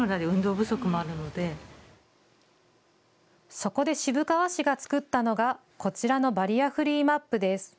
そこで渋川市が作ったのがこちらのバリアフリーマップです。